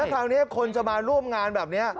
คราวนี้คนจะมาร่วมงานแบบนี้